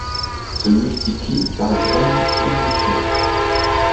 Se multiplie par graines ou boutures.